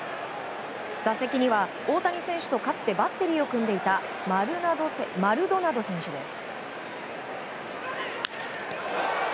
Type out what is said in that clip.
打席には大谷選手とかつてバッテリーを組んでいたマルドナド選手です。